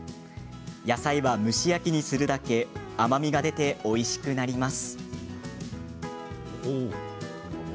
野菜は蒸し焼きにするだけ甘みが出ておいしくなります。